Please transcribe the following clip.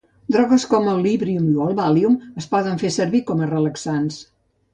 Drogues com el Librium o el Valium es poden fer servir com a relaxants.